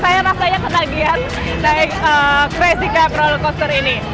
saya rasanya ketagihan dari crazy cat coaster ini